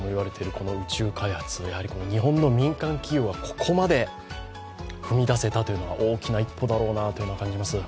この宇宙開発、やはり日本の民間企業がここまで踏み出せたというのが大きな一歩だろうなと感じます。